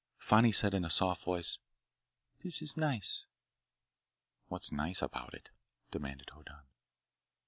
Fani said in a soft voice: "This is nice!" "What's nice about it?" demanded Hoddan.